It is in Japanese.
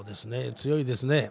強いですね。